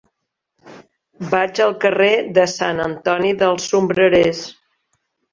Vaig al carrer de Sant Antoni dels Sombrerers.